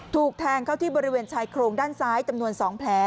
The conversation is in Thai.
ถูกแทงเข้าที่บริเวณชายโครงด้านซ้ายจำนวน๒แผล